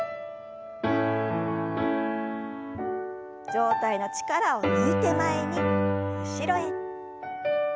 上体の力を抜いて前に後ろへ。